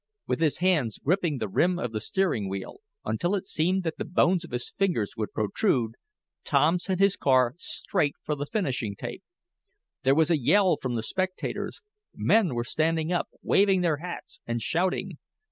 With his hands gripping the rim of the steering wheel, until it seemed that the bones of his fingers would protrude, Tom sent his car straight for the finishing tape. There was a yell from the spectators. Men were standing up, waving their hats and shouting.